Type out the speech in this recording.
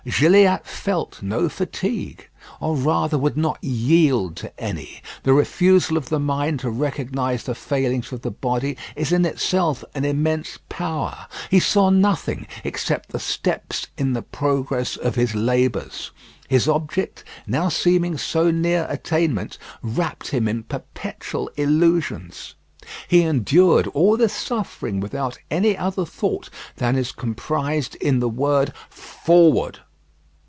Gilliatt felt no fatigue; or, rather, would not yield to any. The refusal of the mind to recognise the failings of the body is in itself an immense power. He saw nothing, except the steps in the progress of his labours. His object now seeming so near attainment wrapped him in perpetual illusions. He endured all this suffering without any other thought than is comprised in the word "Forward."